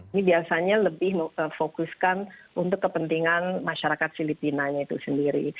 ini biasanya lebih memfokuskan untuk kepentingan masyarakat filipinanya itu sendiri